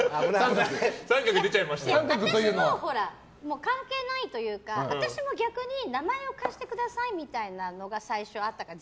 私も関係ないというか私も逆に名前を貸してくださいってのが最初あったから。